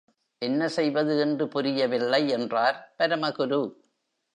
என்ன செய்வது என்று புரியவில்லை, என்றார் பரமகுரு.